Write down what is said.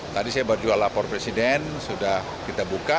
tadi saya berjual lapor presiden sudah kita buka